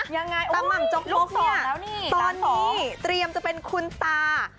ยังไงอุ๊ยลูกสองแล้วนี่ตอนนี้เตรียมจะเป็นคุณตา